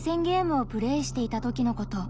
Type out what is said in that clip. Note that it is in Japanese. ゲームをプレーしていた時のこと。